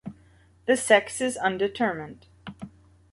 The sex is undetermined.